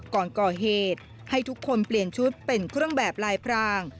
ก่อนก่อเหตุให้ทุกคนเปลี่ยนชุดเป็นเครื่องแบบลายพราง